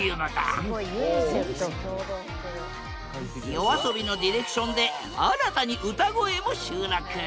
ＹＯＡＳＯＢＩのディレクションで新たに歌声も収録。